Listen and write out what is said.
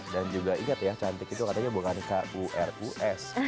dan juga ingat ya cantik itu katanya bukan k u r u s